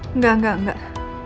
enggak enggak enggak